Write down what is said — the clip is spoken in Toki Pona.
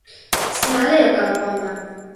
sina ale o kama pona.